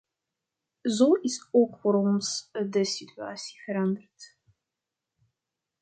Zo is ook voor ons de situatie veranderd.